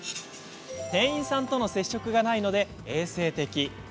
店員さんとの接触がないので衛生的。